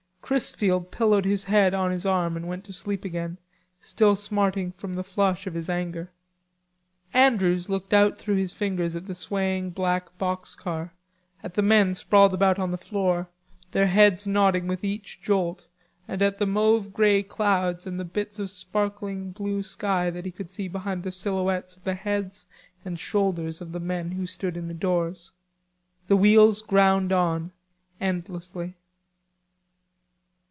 Chrisfield pillowed his head on his arm and went to sleep again, still smarting from the flush of his anger. Andrews looked out through his fingers at the swaying black box car, at the men sprawled about on the floor, their heads nodding with each jolt, and at the mauve grey clouds and bits of sparkling blue sky that he could see behind the silhouettes of the heads and shoulders of the men who stood in the doors. The wheels ground on endlessly.